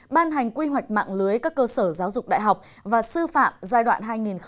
ban hành quy hoạch mạng lưới các cơ sở giáo dục đại học và sư phạm giai đoạn hai nghìn hai mươi một hai nghìn hai mươi năm